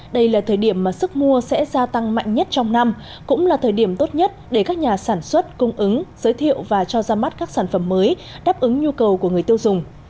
đây là thời điểm mà sức mua sẽ gia tăng mạnh nhất trong năm cũng là thời điểm tốt nhất để các nhà sản xuất cung ứng giới thiệu và cho ra mắt các sản phẩm mới đáp ứng nhu cầu của người tiêu dùng